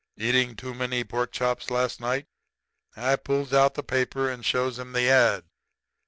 'Eating too many pork chops last night?' "I pulls out the paper and shows him the ad.